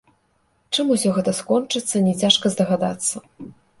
Чым усё гэта скончыцца, не цяжка здагадацца.